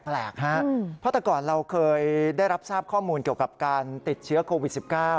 แปลกฮะเพราะแต่ก่อนเราเคยได้รับทราบข้อมูลเกี่ยวกับการติดเชื้อโควิด๑๙